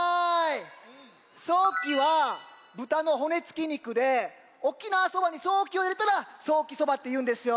ソーキはぶたのほねつきにくで沖縄そばにソーキをいれたらソーキそばっていうんですよ。